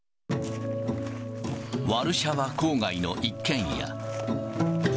ワルシャワ郊外の一軒家。